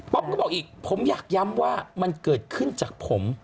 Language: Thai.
ก็บอกอีกผมอยากย้ำว่ามันเกิดขึ้นจากผม